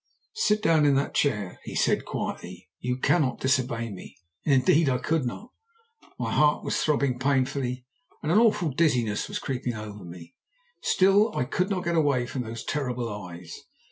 "'Sit down in that chair,' he said quietly. 'You cannot disobey me.' And indeed I could not. My heart was throbbing painfully, and an awful dizziness was creeping over me. Still I could not get away from those terrible eyes.